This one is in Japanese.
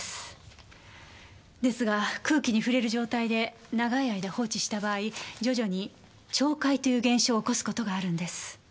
ですが空気にふれる状態で長い間放置した場合徐々に「潮解」という現象を起こすことがあるんです。